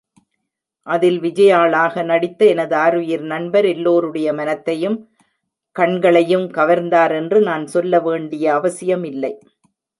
அதில் விஜயாளாக நடித்த எனதாருயிர் நண்பர் எல்லோருடைய மனத்தையும் கண்களையும் கவர்ந்தார் என்று நான் சொல்ல வேண்டிய அவசியமில்லை.